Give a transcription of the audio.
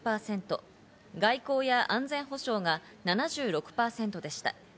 外交や安全保障が７６％でした。